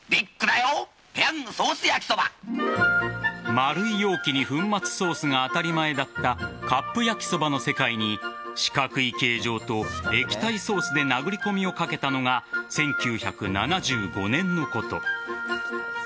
丸い容器に粉末ソースが当たり前だったカップ焼きそばの世界に四角い形状と液体ソースで殴り込みをかけたのが１９７５年のこと。